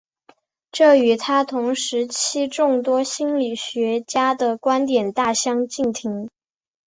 这与他同时期众多心理学家的观点大相径庭。